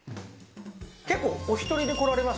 結構、お１人で来られます？